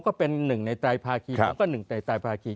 ก็เป็นหนึ่งในราชาพาราพาร์คีส์